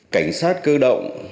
cảnh sát cơ động